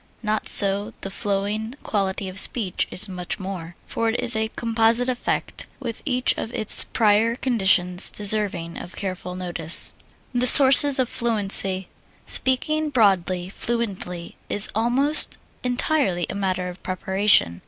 Not so the flowing quality of speech is much more, for it is a composite effect, with each of its prior conditions deserving of careful notice. The Sources of Fluency Speaking broadly, fluency is almost entirely a matter of preparation.